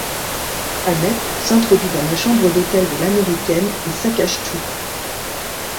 Annette s'introduit dans la chambre d'hôtel de l'Américaine et saccage tout.